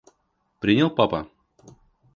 Принял папа?